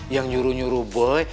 yang nyuruh nyuruh boy